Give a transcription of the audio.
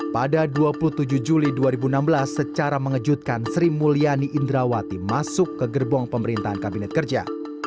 pada dua puluh tujuh juli dua ribu enam belas secara mengejutkan sri mulyani indrawati masuk ke gerbong pemerintahan kabinet kerja